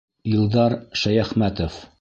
Илдар ШӘЙӘХМӘТОВ: